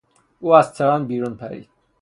او از ترن بیرون پرید.